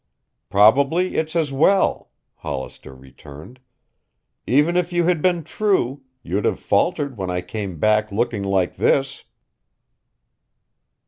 "Probably it's as well," Hollister returned. "Even if you had been true, you'd have faltered when I came back looking like this."